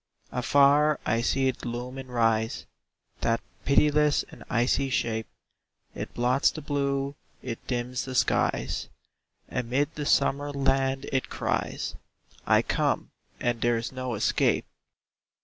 Afar I see it loom and rise, That pitiless and icy shape. It blots the blue, it dims the skies; Amid the summer land it cries, "I come, and there is no escape!"